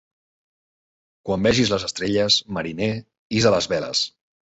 Quan vegis les estrelles, mariner, hissa les veles.